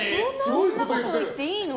そんなこと言っていいの？